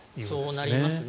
そうなりますね。